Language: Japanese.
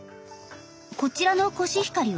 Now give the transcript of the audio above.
こちらのコシヒカリは？